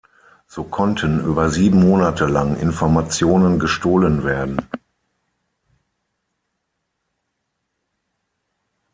So konnten über sieben Monate lang Informationen gestohlen werden.